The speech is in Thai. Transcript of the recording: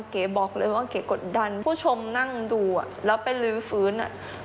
เก๋บอกเลยว่าเก๋กดดันผู้ชมนั่งดูแล้วไปลื้อฟื้น